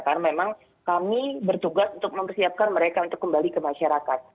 karena memang kami bertugas untuk mempersiapkan mereka untuk kembali ke masyarakat